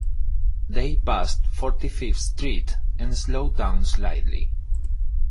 They passed Forty-fifth Street and slowed down slightly.